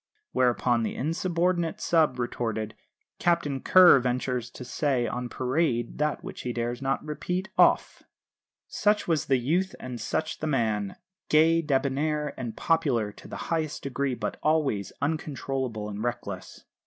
Whereupon the insubordinate sub. retorted: "Captain Kerr ventures to say on parade that which he dares not repeat off." Such was the youth and such the man gay, debonair, and popular to the highest degree, but always uncontrollable and reckless.